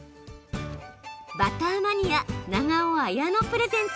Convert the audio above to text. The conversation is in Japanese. バターマニア長尾絢乃プレゼンツ。